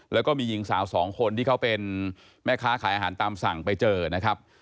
แล้วก็มีหญิงสาวสองคนที่เขาเป็นแม่ค้าขายอาหารตามสั่งไปเจอนะครับ